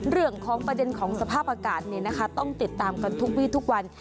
เรื่องของประเด็นของสภาพอากาศต้องติดตามกันทุกวีทุกวัน